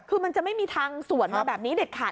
คือมันจะไม่มีทางสวนมาแบบนี้เด็ดขาด